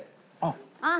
あっ。